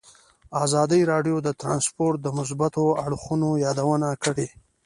ازادي راډیو د ترانسپورټ د مثبتو اړخونو یادونه کړې.